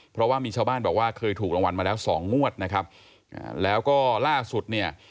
เพราะว่ามีชาวบ้านบอกว่าเคยถูกรางวัลมาแล้วสองงวดนะครับแล้วก็ล่าสุดเนี่ย